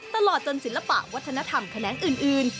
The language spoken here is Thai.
ตลอดจนศิลปะวัฒนธรรมแขนงอื่น